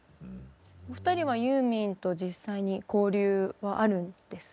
お二人はユーミンと実際に交流はあるんですよね？